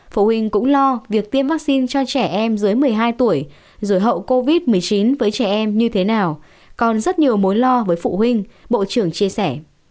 phụ huynh cũng lo việc tiêm vaccine cho trẻ em dưới một mươi hai tuổi rồi hậu covid một mươi chín với trẻ em như thế nào còn rất nhiều mối lo với phụ huynh bộ trưởng chia sẻ